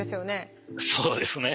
そうですね。